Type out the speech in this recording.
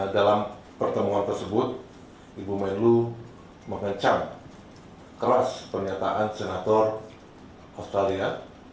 dalam pertemuan tersebut ibu menteri luar negeri mengecam keras pernyataan senator australia